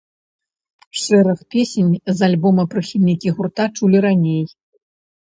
Шэраг песень з альбома прыхільнікі гурта чулі раней.